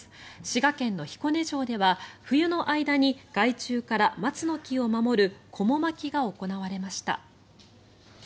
滋賀県の彦根城では、冬の間に害虫から松の木を守るこも巻きが行われました。